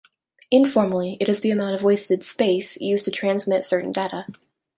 Informally, it is the amount of wasted "space" used to transmit certain data.